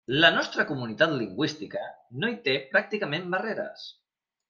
La nostra comunitat lingüística no hi té pràcticament barreres.